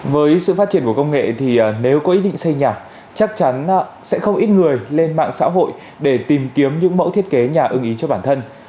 với sự phát triển của công nghệ thì nếu có ý định xây nhà chắc chắn sẽ không ít người lên mạng xã hội để tìm kiếm những mẫu thiết kế nhà ưng ý cho bản thân